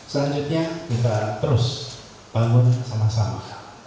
selanjutnya kita terus bangun sama sama